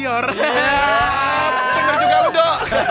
iya bener juga udo